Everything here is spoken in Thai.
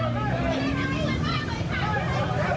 เฮ้ยเฮ้ยเฮ้ย